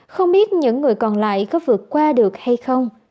không ít những người còn lại có vượt qua được hay không